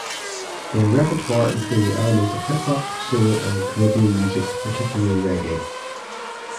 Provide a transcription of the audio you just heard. Their repertoire included elements of hip hop, soul and Caribbean music, particularly reggae.